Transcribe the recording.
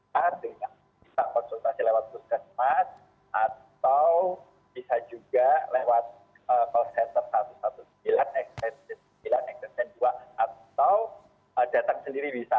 bisa konsultasi lewat puskesmat atau bisa juga lewat call center satu ratus sembilan belas sembilan ratus dua belas atau datang sendiri bisa